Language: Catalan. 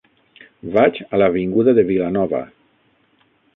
Vaig a l'avinguda de Vilanova.